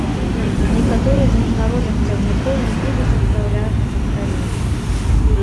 Некаторыя з міжнародных цягнікоў не будуць адпраўляцца са сталіцы.